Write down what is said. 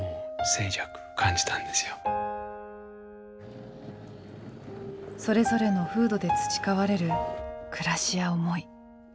それぞれの風土で培われる暮らしや思い。